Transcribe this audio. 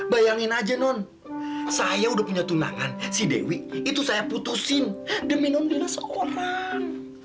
bayangin aja non saya udah punya tunangan si dewi itu saya putusin demi non lila seorang